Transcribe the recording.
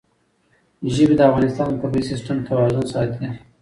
ژبې د افغانستان د طبعي سیسټم توازن ساتي.